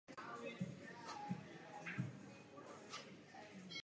Ve službě byly nakonec nahrazeny letouny Bristol Beaufort australské výroby.